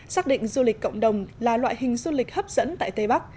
xác định du lịch cộng đồng là loại hình du lịch hấp dẫn tại tây bắc